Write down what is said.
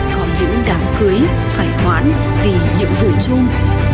có những đám cưới phải hoãn vì nhiệm vụ chung